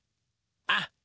あっ！